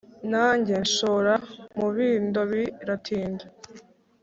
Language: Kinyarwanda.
Nange nshora umubindo biratinda